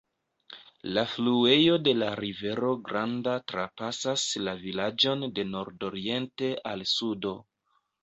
La fluejo de la Rivero Granda trapasas la vilaĝon de nordoriente al sudo.